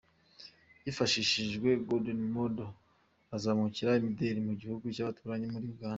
Hifashishijwe Golden Models bazamurika imideli mu gihugu cy'abaturanyi muri Uganda.